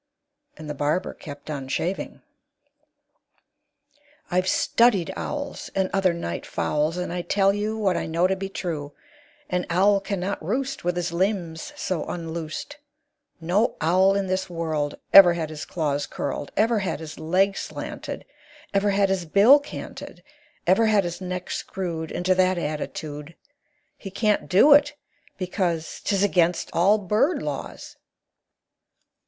And the barber kept on shaving. "I've studied owls, And other night fowls, And I tell you What I know to be true; An owl can not roost With his limbs so unloosed; No owl in this world Ever had his claws curled, Ever had his legs slanted, Ever had his bill canted, Ever had his neck screwed Into that attitude. He can't do it, because 'Tis against all bird laws.